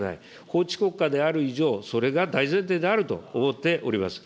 法治国家である以上、それが大前提であると思っております。